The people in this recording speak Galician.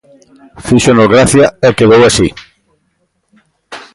Fíxonos gracia e quedou así.